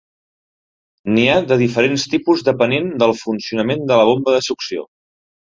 N'hi ha de diferents tipus depenent del funcionament de la bomba de succió.